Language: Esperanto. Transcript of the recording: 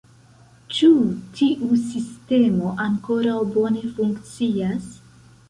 Ĉu tiu sistemo ankoraŭ bone funkcias?